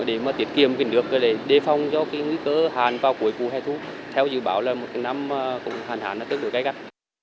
để mà tiết kiệm cái nước để phong cho cái nguy cơ hạn vào cuối cuối hè thu theo dự báo là một năm cũng hạn hạn là tới được cái gắt